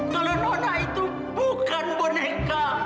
kalau nona itu bukan boneka